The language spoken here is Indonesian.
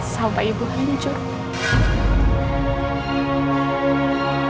sampai ibu hanya nyuruh